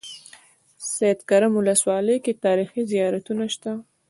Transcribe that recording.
سیدکرم ولسوالۍ کې تاریخي زيارتونه شته.